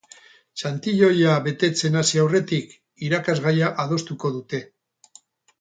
Txantiloia betetzen hasi aurretik, irakasgaia adostuko dute.